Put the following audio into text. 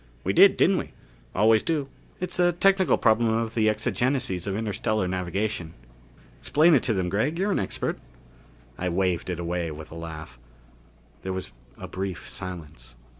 "We did, didn't we? Always do it's a technical problem of the exigencies of interstellar navigation. Explain it to them, Gregg. You're an expert." I waved it away with a laugh. There was a brief silence.